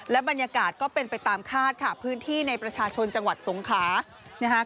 บรรยากาศก็เป็นไปตามคาดค่ะพื้นที่ในประชาชนจังหวัดสงขลานะคะ